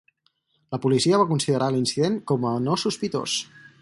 La policia va considerar l'incident com a "no sospitós".